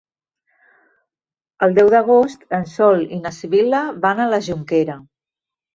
El deu d'agost en Sol i na Sibil·la van a la Jonquera.